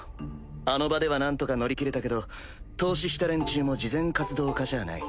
あの場ではなんとか乗り切れたけど投資した連中も慈善活動家じゃない。